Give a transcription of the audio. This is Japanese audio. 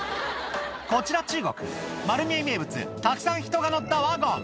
こちら中国、まる見え名物、たくさん人が乗ったワゴン。